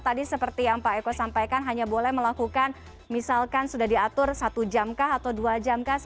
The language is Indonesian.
tadi seperti yang pak eko sampaikan hanya boleh melakukan misalkan sudah diatur satu jam kah atau dua jam kah